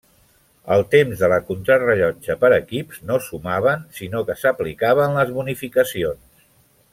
Els temps de la contrarellotge per equips no sumaven sinó que s'aplicaven les bonificacions.